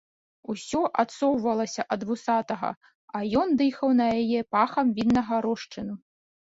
Усё адсоўвалася ад вусатага, а ён дыхаў на яе пахам віннага рошчыну.